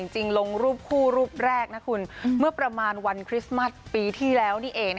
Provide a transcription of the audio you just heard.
ลงรูปคู่รูปแรกนะคุณเมื่อประมาณวันคริสต์มัสปีที่แล้วนี่เอง